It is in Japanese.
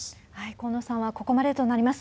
河野さんはここまでとなります。